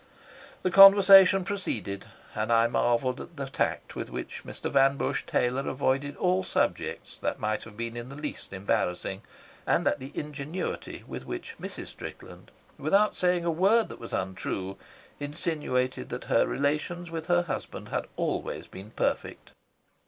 The conversation proceeded, and I marvelled at the tact with which Mr. Van Busche Taylor avoided all subjects that might have been in the least embarrassing, and at the ingenuity with which Mrs. Strickland, without saying a word that was untrue, insinuated that her relations with her husband had always been perfect.